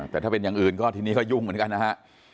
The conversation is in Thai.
แต่ถ้าเป็นอย่างอื่นก็ทีนี้ก็ยุ่งเหมือนกันนะฮะ